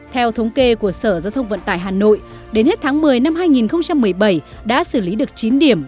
theo thống kê của sở giao thông vận tải hà nội đến hết tháng một mươi năm hai nghìn một mươi bảy đã xử lý được chín điểm